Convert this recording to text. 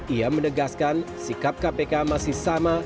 ia menegaskan sikap kpk masih sama